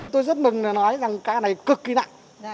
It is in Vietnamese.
tôi rất mừng nói rằng ca này cực kỳ nặng